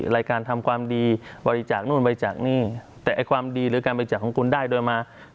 รายการทำความดีบริจาคนู่นบริจาคนี่แต่ไอ้ความดีหรือการบริจาคของคุณได้โดยมา